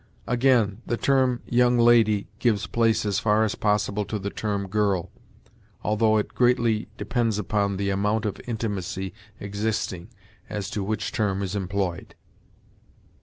Again, the term young lady gives place as far as possible to the term girl, although it greatly depends upon the amount of intimacy existing as to which term is employed."